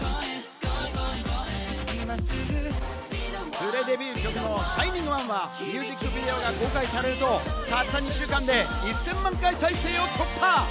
プレデビュー曲の『ＳｈｉｎｉｎｇＯｎｅ』はミュージックビデオが公開されると、たった２週間で１０００万回再生を突破。